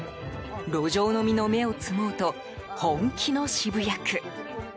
路上飲みの芽を摘もうと本気の渋谷区。